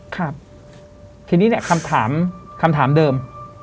ครับทีนี้เนี่ยคำถามคำถามเดิม